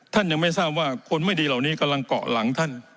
ท่านยังไม่ทราบว่าคนไม่ดีเหล่านี้กำลังเกาะหลังท่าน